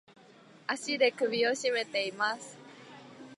足で首をしめています。